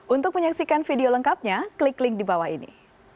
untuk menyaksikan video lengkapnya klik link di bawah ini